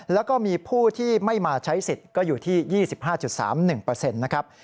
แล้วก็มีผู้ที่ไม่มาใช้สิทธิ์ก็อยู่ที่๒๕๓๑นะครับ